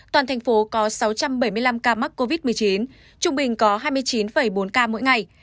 toàn thành phố có sáu trăm bảy mươi năm ca mắc covid một mươi chín trung bình có hai mươi chín bốn ca mỗi ngày